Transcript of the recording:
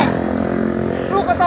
panjang banget tadi